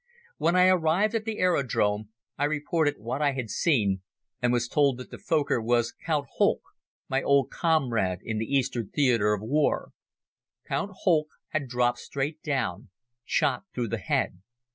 When I arrived at the aerodrome, I reported what I had seen and was told that the Fokker man was Count Holck, my old comrade in the Eastern Theater of war. Count Holck had dropped straight down, shot through the head.